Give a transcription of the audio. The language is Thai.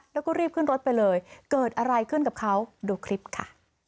แล้วก็รีบขึ้นรถไปเลยเกิดอะไรขึ้นกับเขาดูคลิปค่ะ